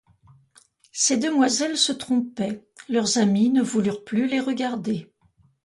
Ces demoiselles se trompaient : leurs amis ne voulurent plus les regarder